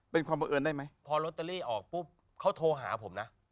พอโรเตอรี่ออกก็เขาโทรหาผมนะ